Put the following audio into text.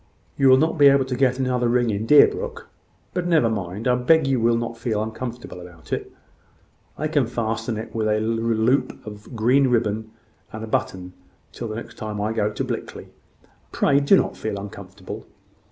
"You will not be able to get another ring in Deerbrook. But never mind. I beg you will not feel uncomfortable about it. I can fasten it with a loop of green ribbon and a button till the next time I go to Blickley. Pray do not feel uncomfortable."